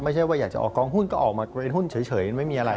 ไม่ใช่ว่าอยากจะออกกองหุ้นก็ออกมาเป็นหุ้นเฉยไม่มีอะไร